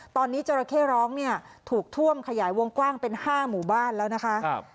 ตอนนี้จราเข้ร้องเนี่ยถูกท่วมขยายวงกว้างเป็น๕หมู่บ้านแล้วนะคะ